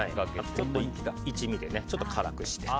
一味で辛くして。